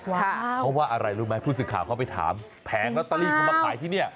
เพราะว่าอะไรรู้ไหมผู้สินค้าเขาไปถามแผงและตะลิงเขามาขายที่นี่